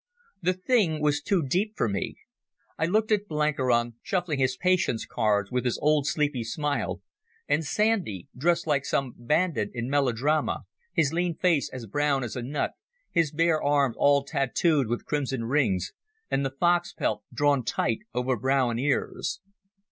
The thing was too deep for me. I looked at Blenkiron, shuffling his Patience cards with his old sleepy smile, and Sandy, dressed like some bandit in melodrama, his lean face as brown as a nut, his bare arms all tattooed with crimson rings, and the fox pelt drawn tight over brow and ears.